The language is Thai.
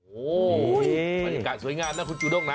โอ้โหบรรยากาศสวยงามนะคุณจูด้งนะ